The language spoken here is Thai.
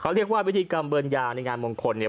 เรียกว่าพิธีกรรมเบิร์นยาในงานมงคลเนี่ย